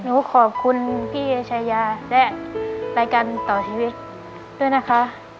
ขอบคุณพี่เอชายาและรายการต่อชีวิตด้วยนะคะ